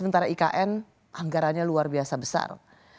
karena ikn anggarannya luar biasa besar